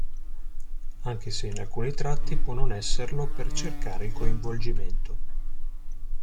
Anche se in alcuni tratti può non esserlo per cercare il coinvolgimento.